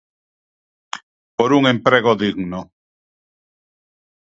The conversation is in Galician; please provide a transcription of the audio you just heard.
Por un emprego digno.